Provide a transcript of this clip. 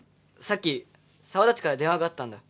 さっき沢田っちから電話があったんだ。